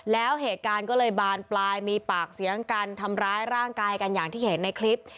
แล้วเหตุการณ์ก็เลยบานปลายมีปากเสียงกันทำร้ายร่างกายกันอย่างที่เห็นในคลิป